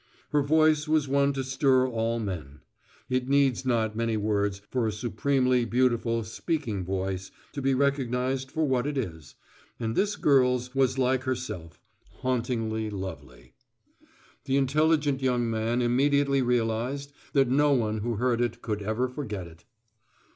Her voice was one to stir all men: it needs not many words for a supremely beautiful "speaking voice" to be recognized for what it is; and this girl's was like herself, hauntingly lovely. The intelligent young man immediately realized that no one who heard it could ever forget it.